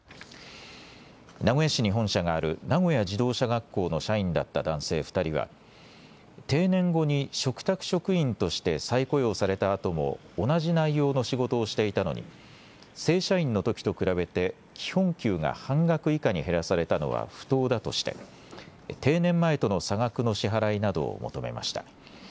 名古屋市に本社がある名古屋自動車学校の社員だった男性２人は定年後に嘱託職員として再雇用されたあとも同じ内容の仕事をしていたのに正社員のときと比べて基本給が半額以下に減らされたのは不当だとして定年前との差額の支払いなどを求めました。